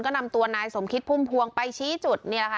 ก็นำตัวนายสมคิตพุ่มพวงไปชี้จุด